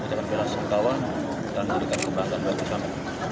akan berhasil kawan dan memberikan kebanggaan bagi kami